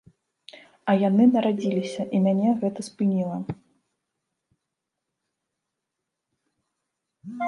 А яны нарадзіліся, і мяне гэта спыніла.